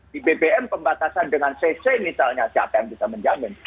di bbm pembatasan dengan cc misalnya siapa yang bisa menjamin